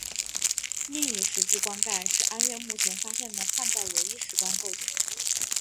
另一石质棺盖是安岳目前发现的汉代唯一石棺构件。